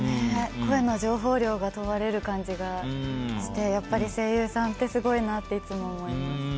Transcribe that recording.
声の情報量が問われる感じがしてやっぱり声優さんってすごいなって、いつも思います。